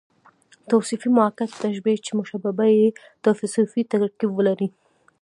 توصيفي مؤکده تشبیه، چي مشبه به ئې توصیفي ترکيب ولري.